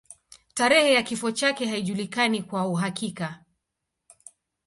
Tarehe ya kifo chake haijulikani kwa uhakika.